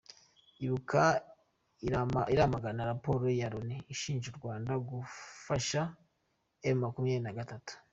Ibuka iramagana Raporo ya Loni ishinja u Rwanda gufasha M. makumyabiri na gatatu